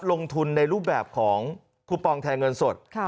ลงทุนในรูปแบบของคูปองแทนเงินสด